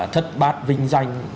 thất bát vinh danh